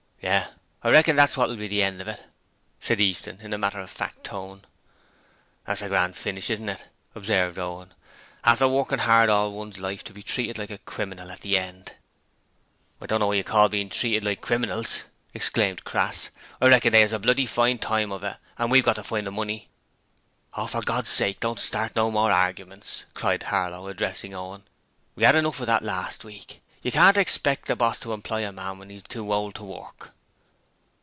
'Yes: I reckon that's what'll be the end of it,' said Easton in a matter of fact tone. 'It's a grand finish, isn't it?' observed Owen. 'After working hard all one's life to be treated like a criminal at the end.' 'I don't know what you call bein' treated like criminals,' exclaimed Crass. 'I reckon they 'as a bloody fine time of it, an' we've got to find the money.' 'Oh, for God's sake don't start no more arguments,' cried Harlow, addressing Owen. 'We 'ad enough of that last week. You can't expect a boss to employ a man when 'e's too old to work.'